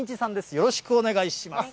よろしくお願いします。